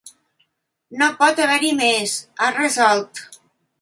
No pot haver-hi més, ha resolt.